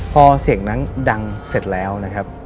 พอเสียงนั้นดังเสร็จแล้วนะครับ